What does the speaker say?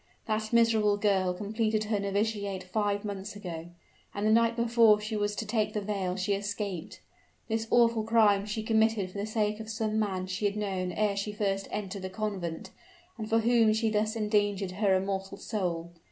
That miserable girl completed her novitiate five months ago; and the night before she was to take the veil she escaped. This awful crime she committed for the sake of some man she had known ere she first entered the convent, and for whom she thus endangered her immortal soul.